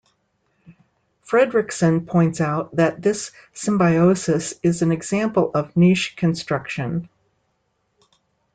Frederickson points out that this symbiosis is an example of niche construction.